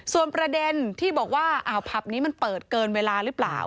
ส่วนประเด็นที่บอกว่าอ้าวผับนี้มันเปิดเกินเวลาหรือเปล่า